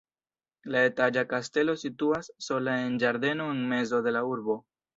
La etaĝa kastelo situas sola en ĝardeno en mezo de la urbo.